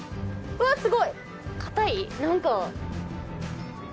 うわすごい！硬い？